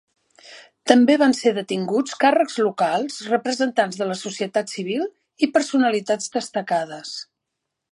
També van ser detinguts càrrecs locals, representants de la societat civil i personalitats destacades.